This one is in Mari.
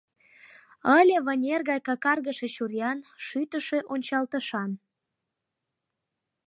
Ыле вынер гай какаргыше чуриян, шӱтышӧ ончалтышан.